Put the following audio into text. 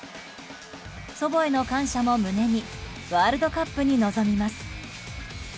祖母への感謝も胸にワールドカップに臨みます。